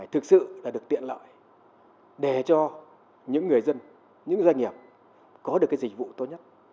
thực sự được tiện lợi để cho những người dân những doanh nghiệp có được dịch vụ tốt nhất